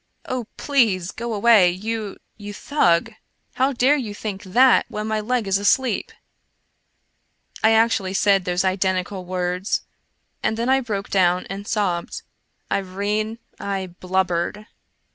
" Oh, please go away, you — you Thug ! How dare you think that when my leg is asleep ?" I actually said those identical words ! And then I broke down and sobbed. Irene, I blubbered